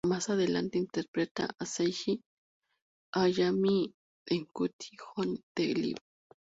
Más adelante interpretó a Seiji Hayami en Cutie Honey The Live.